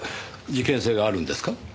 事件性があるんですか？